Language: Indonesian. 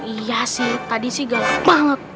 iya sih tadi sih gaduh banget